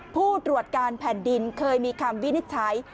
ผู้ตรวจการแผ่นดินเคยมีคำวินิจฉัย